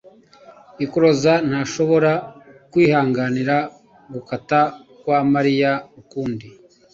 Ikoraze ntashobora kwihanganira gutaka kwa Mariya ukundi.